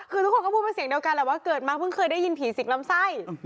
คือทุกคนก็พูดเป็นเสียงเดียวกันแหละว่าเกิดมาเพิ่งเคยได้ยินผีสิงลำไส้